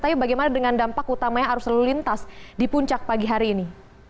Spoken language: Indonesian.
tapi bagaimana dengan dampak utamanya arus lalu lintas di puncak pagi hari ini